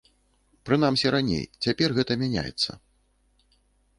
Прынамсі раней, цяпер гэта мяняецца.